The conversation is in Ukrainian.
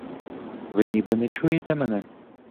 Ви ніби не чуєте мене?